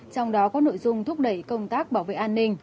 trong đó có nội dung thúc đẩy công tác bảo vệ an ninh